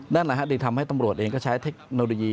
นั่นแหละฮะที่ทำให้ตำรวจเองก็ใช้เทคโนโลยี